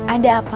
ada apa mak